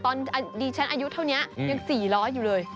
ตอนดีชั้นอายุเท่านี้ยังสี่ล้ออยู่เลย